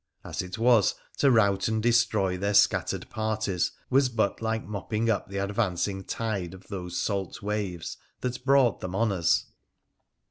As it was, to rout and destroy their scattered parties was but like mopping up the advancing tide of those salt waves that brought them on us.